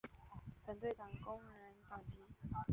反对党工人党籍。